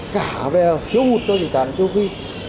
cả về thiếu hụt cho dịch tả lợn châu phi